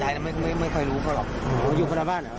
อยู่พนักบ้าน